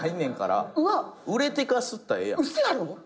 嘘やろ？